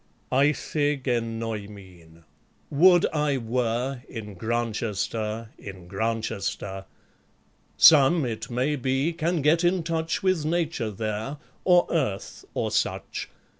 ei'/qe genoi/mhn ... would I were * In Grantchester, in Grantchester! Some, it may be, can get in touch With Nature there, or Earth, or such.